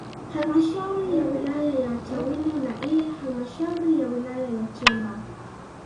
Halmashauri ya Wilaya ya Chamwino na ile halmashauri ya wilaya ya Chemba